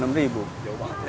jauh banget ya